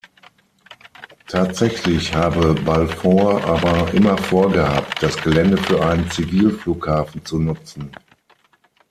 Tatsächlich habe Balfour aber immer vorgehabt, das Gelände für einen Zivilflughafen zu nutzen.